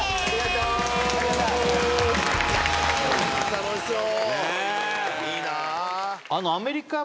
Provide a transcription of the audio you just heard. ・楽しそう。